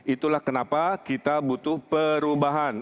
itulah kenapa kita butuh perubahan